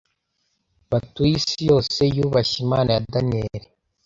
batuye isi yose, yubashye Imana ya Daniyeli